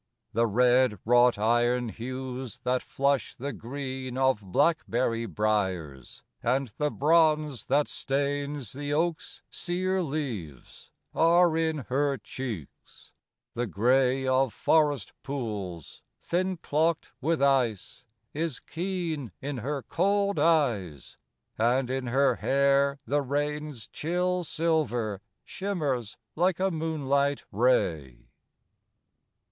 The red wrought iron hues that flush the green Of blackberry briers, and the bronze that stains The oak's sere leaves, are in her cheeks: the gray Of forest pools, thin clocked with ice, is keen In her cold eyes; and in her hair, the rain's Chill silver shimmers like a moonlight ray.